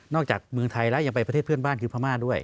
จากเมืองไทยแล้วยังไปประเทศเพื่อนบ้านคือพม่าด้วย